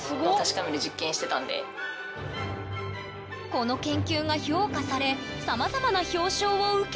この研究が評価されさまざまな表彰を受けた。